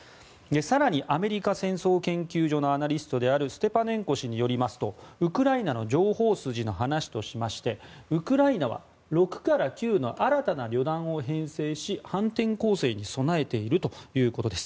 更に、アメリカ戦争研究所のアナリストであるステパネンコ氏によりますとウクライナの情報筋の話としましてウクライナは６から９の新たな旅団を編成し反転攻勢に備えているということです。